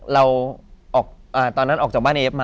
เราตอนนั้นออกจากบ้านเอฟมา